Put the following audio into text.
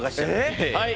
はい！